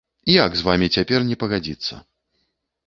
Як з вамі цяпер не пагадзіцца?